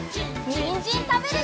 にんじんたべるよ！